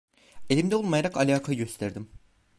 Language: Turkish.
Elimde olmayarak alaka gösterdim.